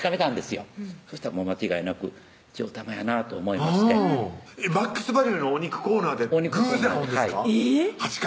よそしたら間違いなくちよたまやなと思いましてマックスバリュのお肉コーナーで偶然会うんですか？